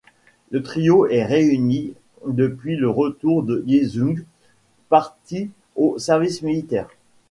Le trio est réuni depuis de retour de Yesung parti au service militaire.